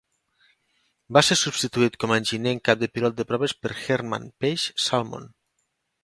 Va ser substituït com a enginyer en cap de pilot de proves per Herman "Peix" Salmon.